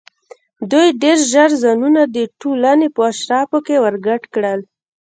دوی ډېر ژر ځانونه د ټولنې په اشرافو کې ورګډ کړل.